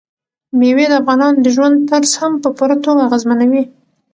مېوې د افغانانو د ژوند طرز هم په پوره توګه اغېزمنوي.